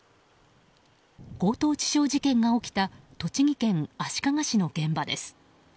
強盗致傷事件が起きた栃木県足利市の現場です。